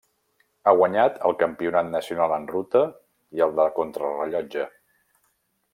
Ha guanyat el Campionat nacional en ruta i el de contrarellotge.